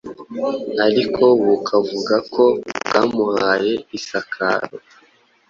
ariko bukavuga ko bwamuhaye isakaro